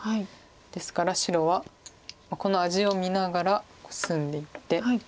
ですから白はこの味を見ながらコスんでいって。